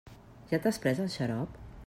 Ja t'has pres el xarop?